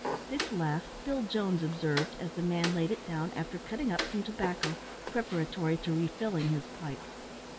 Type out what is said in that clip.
This last Bill Jones observed, as the man laid it down, after cutting up some tobacco, preparatory to refilling his pipe.